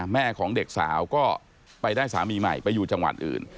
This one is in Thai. แม่ของเด็กสาวก็ไปได้สามีใหม่ไปอยู่จังหวัดอื่น